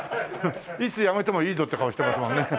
いつ辞めてもいいぞって顔してますもんね。